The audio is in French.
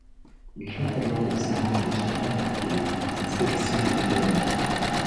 Ils font alors le serment de se poignarder, si celle-ci les condamne à mort.